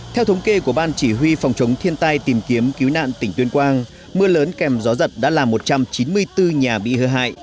theo thống kê của ban chỉ huy phòng chống thiên tai tìm kiếm cứu nạn tỉnh tuyên quang mưa lớn kèm gió giật đã làm một trăm chín mươi bốn nhà bị hư hại